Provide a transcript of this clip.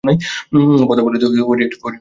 পদাবলীতে ওরই একটি দোসর আছে– বঁধু।